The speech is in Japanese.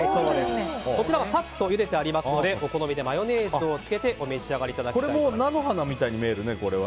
こちらはサッとゆでてありますのでお好みでマヨネーズをつけてお召し上がりいただきたいと思います。